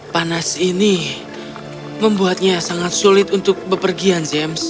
panas ini membuatnya sangat sulit untuk beban